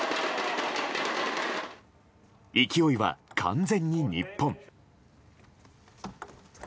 勢いは完全に日本。